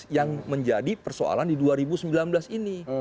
yang menjadi persoalan di dua ribu sembilan belas ini